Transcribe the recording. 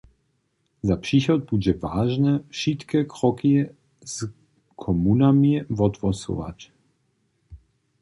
Za přichod budźe wažne, wšitke kroki z komunami wothłosować.